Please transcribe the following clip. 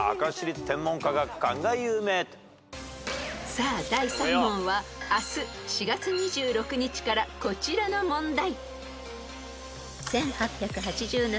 ［さあ第３問は明日４月２６日からこちらの問題］